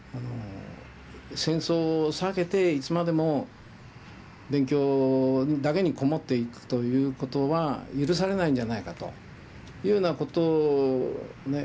戦争を避けていつまでも勉強だけに籠もっていくということは許されないんじゃないかというようなことをね